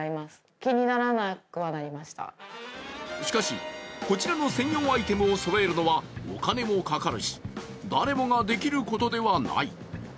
しかし、こちらの専用アイテムをそろえるのはお金もかかるし誰もができることではない。